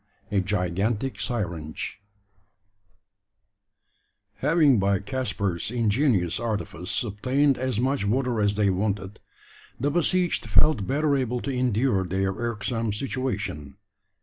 A GIGANTIC SYRINGE. Having by Caspar's ingenious artifice obtained as much water as they wanted, the besieged felt better able to endure their irksome situation.